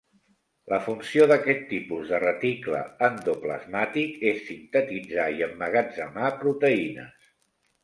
La funció d'aquest tipus de reticle endoplasmàtic és sintetitzar i emmagatzemar proteïnes.